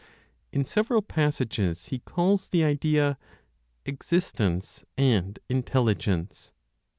In several passages he calls the Idea "existence and intelligence."